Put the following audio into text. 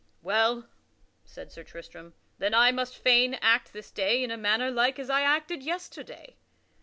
"Well," said Sir Tristram, "then I must fain act this day in a manner like as I acted yesterday."